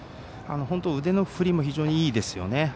本当、腕の振りも非常にいいですよね。